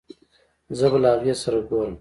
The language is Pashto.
زه به له هغې سره ګورم